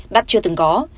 đắt chưa từng có